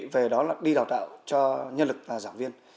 về đó là đi đào tạo cho nhân lực giảng viên